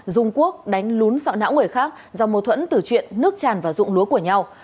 dung quốc đánh lún sọ não người khác do mô thuẫn tử chuyện nước chàn và dụng lúa của nhau